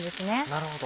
なるほど。